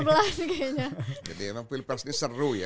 jadi memang pilpres ini seru ya